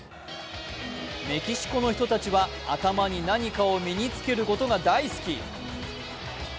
メキシコの人たちは、頭に何かを身につけることが大好き。